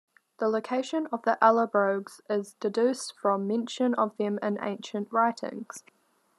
The location of the Allobroges is deduced from mention of them in ancient writings.